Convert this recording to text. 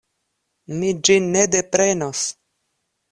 Mi ĝin ne deprenos.